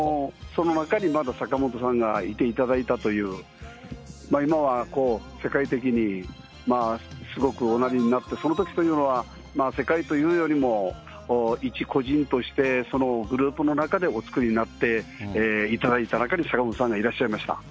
その中にまだ坂本さんがいていただいたという、今はこう、世界的にすごくおなりになって、そのときというのは、世界というよりも、一個人として、そのグループの中でお作りになっていただいた中に坂本さんがいら